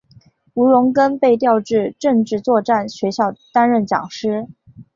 吴荣根被调至政治作战学校担任讲师。